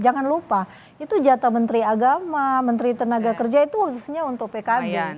jangan lupa itu jatah menteri agama menteri tenaga kerja itu khususnya untuk pkb